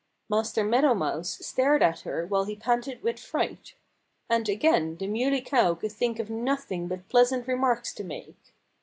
Master Meadow Mouse stared at her while he panted with fright. And again the Muley Cow could think of nothing but pleasant remarks to make.